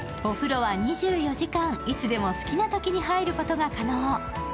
お風呂は２４時間いつでも好きなときに入ることが可能。